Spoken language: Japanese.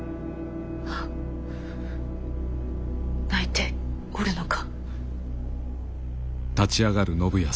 泣いておるのか？